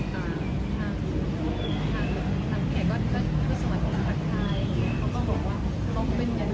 ทางทางทางแขกก็ก็พูดสวัสดีสวัสดีแล้วก็บอกว่าต้องเป็นอย่าง